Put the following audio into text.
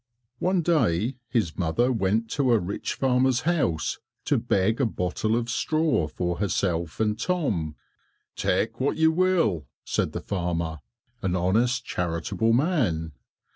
One day his mother went to a rich farmer's house to beg a bottle of straw for herself and Tom. "Take what you will," said the farmer, an honest charitable man.